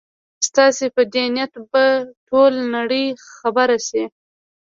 ستاسي په دې نیت به ټوله نړۍ خبره شي.